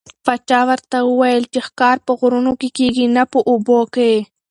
پاچا ورته وویل چې ښکار په غرونو کې کېږي نه په اوبو کې.